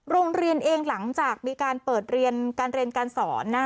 โรงเรียนเองหลังจากมีการเปิดเรียนการเรียนการสอนนะ